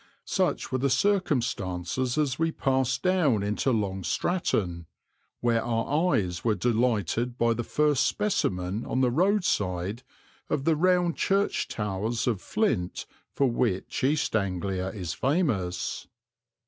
Such were the circumstances as we passed down into Long Stratton, where our eyes were delighted by the first specimen on the roadside of the round church towers of flint for which East Anglia is famous.